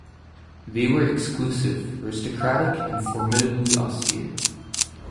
They were exclusive, aristocratic, and formidably austere.